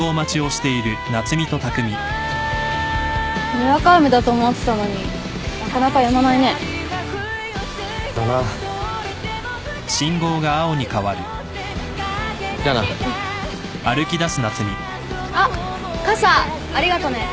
にわか雨だと思ってたのになかなかやまないね。だな。じゃあな。うん。あっ傘ありがとね。